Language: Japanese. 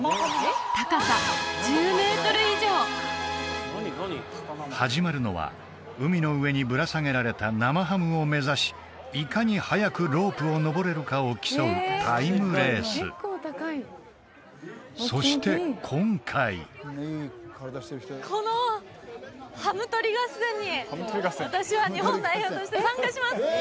高さ１０メートル以上始まるのは海の上にぶら下げられた生ハムを目指しいかに速くロープをのぼれるかを競うタイムレースそして今回このハム取り合戦に私は日本代表として参加します！